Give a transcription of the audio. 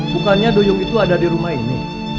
bukannya duyung itu ada di rumah ini